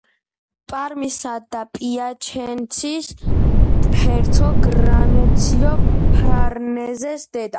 პარმისა და პიაჩენცის ჰერცოგ რანუციო ფარნეზეს დედა.